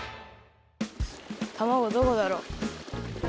たまごどこだろう？